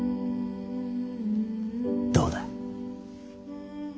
どうだ。